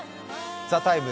「ＴＨＥＴＩＭＥ，」